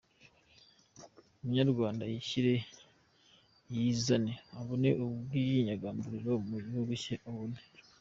munyarwanda yishyire yizane, abone ubwinyagambuliro mu gihugu cye, abone